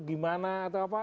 gimana atau apa